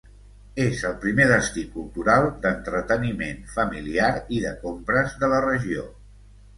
És el primer destí cultural, d'entreteniment, familiar i de compres de la regió.